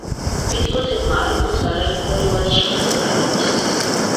კრიტიკოსებმა ალბომს არაერთგვაროვანი შეფასებები მისცეს.